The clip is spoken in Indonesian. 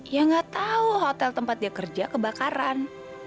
ya nggak tahu hotel tempat dia kerja kebakaran